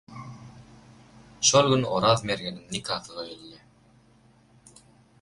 Şol gün Oraz mergeniň nikasy gyýyldy.